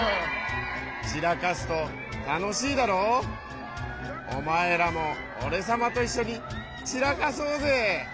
ちらかすとたのしいだろう？おまえらもオレさまといっしょにちらかそうぜ！